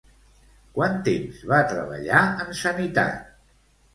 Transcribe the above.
Quant temps va treballar en sanitat?